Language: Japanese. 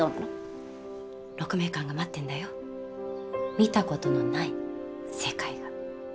見たことのない世界が。